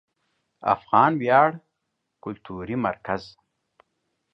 افغان ویاړ کلتوري مرکز